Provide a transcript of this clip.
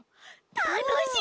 たのしみ！